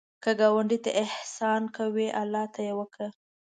که ګاونډي ته احسان کوې، الله ته یې وکړه